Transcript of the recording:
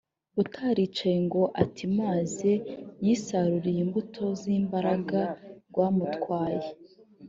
utaricaye ngo atimaze yisarurire imbuto z’imbaraga rwamutwaye